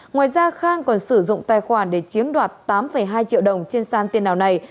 ngoài ra khang còn sử dụng tài khoản để chiếm đoạt tám hai triệu đồng trên sàn tiền nào này